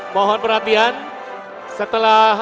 mohon perhatian setelah